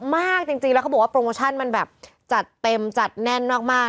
มากจริงแล้วเขาบอกว่าโปรโมชั่นมันแบบจัดเต็มจัดแน่นมาก